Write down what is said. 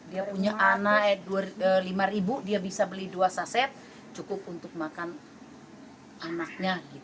dia punya anak lima ribu dia bisa beli dua saset cukup untuk makan anaknya